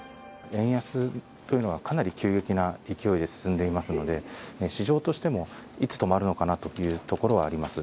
円安というのがかなり急激な勢いで進んでいますので、市場としてもいつ止まるのかなというところはあります。